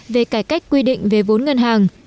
về cải cách quy định về vốn ngân hàng